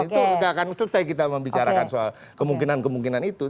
itu tidak akan selesai kita membicarakan soal kemungkinan kemungkinan itu